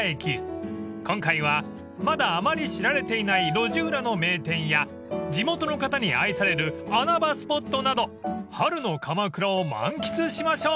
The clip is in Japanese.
［今回はまだあまり知られていない路地裏の名店や地元の方に愛される穴場スポットなど春の鎌倉を満喫しましょう］